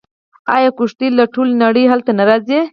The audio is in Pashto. آیا کښتۍ له ټولې نړۍ هلته نه راځي؟